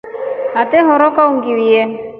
Atehorokya ungiiye.